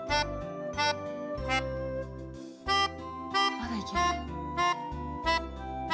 まだいける。